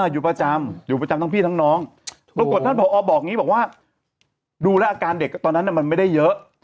อยู่ประจำอยู่ประจำทั้งพี่ทั้งน้องปรากฏท่านผอบอกอย่างนี้บอกว่าดูแล้วอาการเด็กตอนนั้นมันไม่ได้เยอะ